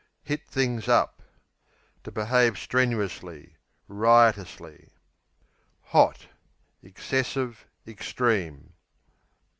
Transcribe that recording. Hit things up To behave strenuously; riotously. Hot Excessive, extreme.